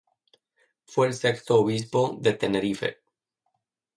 Fue el sexto obispo de Tenerife.